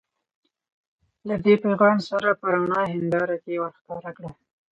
له دې پیغام سره په رڼه هنداره کې ورښکاره کړه.